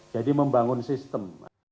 jadi membangun sistem